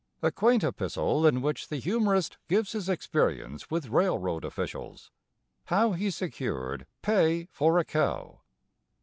A QUAINT EPISTLE, IN WHICH THE HUMORIST GIVES HIS EXPERIENCE WITH RAILROAD OFFICIALS HOW HE SECURED PAY FOR A COW.